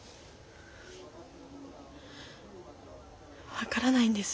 分からないんです。